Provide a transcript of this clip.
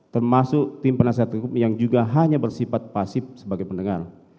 termasuk tim penasihat hukum yang juga hanya bersifat pasif sebagai pendengar